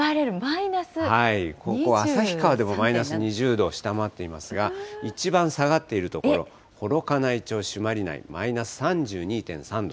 ここ旭川でもマイナス２０度下回っていますが、一番下がっている所、幌加内町朱鞠内マイナス３２．３度。